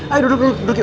ayo duduk dulu